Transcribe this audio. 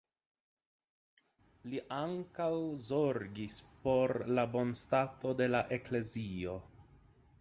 Li ankaŭ zorgis por la bonstato de la eklezio.